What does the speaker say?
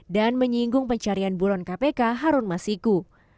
dan menyinggung pencarian bulon kpk harun masiku